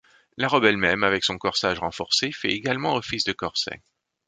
La robe elle-même avec son corsage renforcé fait également office de corset.